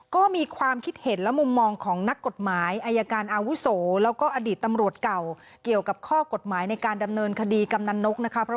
ก็มีความคิดเห็นและมุมมองของนักกฎหมายอายการอาวุโสแล้วก็อดีตตำรวจเก่าเกี่ยวกับข้อกฎหมายในการดำเนินคดีกำนันนกนะคะ